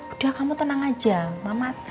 udah kamu tenang aja mamat